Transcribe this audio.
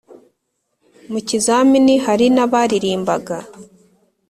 mu kizamini hari n’abaririmbaga,